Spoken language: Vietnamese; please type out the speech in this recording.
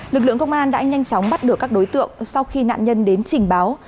lực lượng công an đã nhanh chóng bắt được các đối tượng sau khi nạn nhân đến trình báo